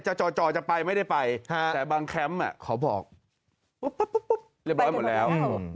จ่อจะไปไม่ได้ไปแต่บางแคมป์เขาบอกเรียบร้อยหมดแล้ว